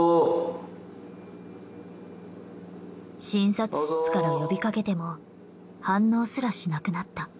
診察室から呼びかけても反応すらしなくなった。